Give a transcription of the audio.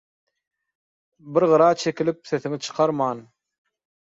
Bir gyra çekilip, sesiňi çykarman